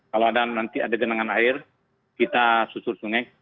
kalau ada nanti ada genangan air kita susur sungai